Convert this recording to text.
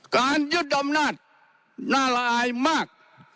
การยึดอำนาจน่าละอายมาก